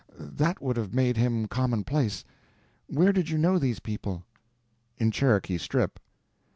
That would have made him commonplace. Where did you know these people?" "In Cherokee Strip."